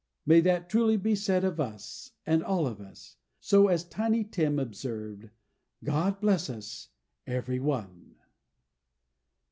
May that be truly said of us, and all of us! And so, as Tiny Tim observed, GOD BLESS US EVERY ONE!